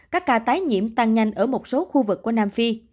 các ca tái nhiễm tăng nhanh ở một số khu vực của nam phi